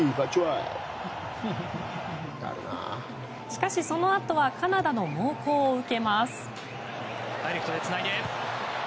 しかしそのあとはカナダの猛攻を受けます。